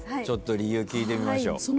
ちょっと理由聞いてみましょう。